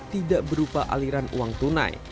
tidak berupa aliran uang tunai